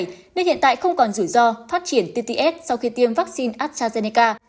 nhưng hiện tại không còn rủi ro phát triển tts sau khi tiêm vaccine astrazeneca